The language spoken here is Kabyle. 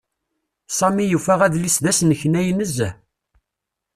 Sami yufa adlis d asneknay nezzeh.